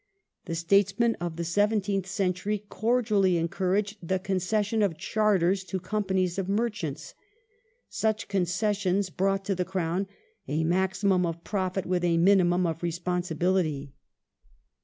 The statesmen of the seventeenth century cordially encouraged the concession of Chartei s to companies of merchants. Such concessions brought to the Crown a maximum of profit with a minimum of responsibility.